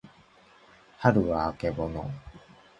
はるはあけぼの